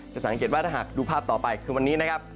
สังเกตว่าถ้าหากดูภาพต่อไปคือวันนี้นะครับ